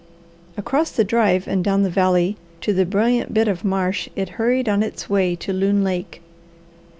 Across the drive and down the valley to the brilliant bit of marsh it hurried on its way to Loon Lake.